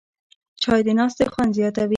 چای د ناستې خوند زیاتوي